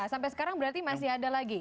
sampai sekarang berarti masih ada lagi